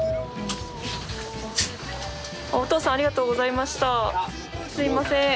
お父さんありがとうございました。